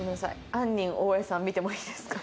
あんにん大江さん見てもいいですか？